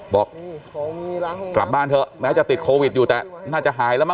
บอกกลับบ้านเถอะแม้จะติดโควิดอยู่แต่น่าจะหายแล้วมั